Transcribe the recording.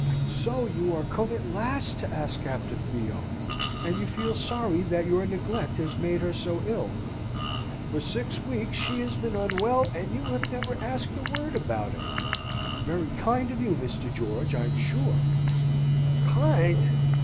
"So you are come at last to ask after Theo, and you feel sorry that your neglect has made her so ill? For six weeks she has been unwell, and you have never asked a word about her! Very kind of you, Mr. George, I'm sure!" "Kind!"